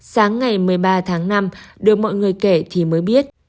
sáng ngày một mươi ba tháng năm được mọi người kể thì mới biết